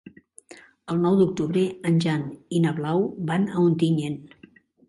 El nou d'octubre en Jan i na Blau van a Ontinyent.